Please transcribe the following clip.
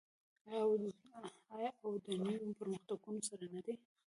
آیا او د نویو پرمختګونو سره نه دی؟